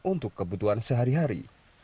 untuk kebutuhan sehari hari